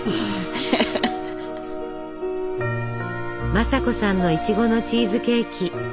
正子さんのいちごのチーズケーキ。